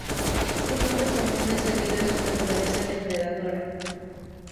Su nombre común es debido a su naturaleza depredadora.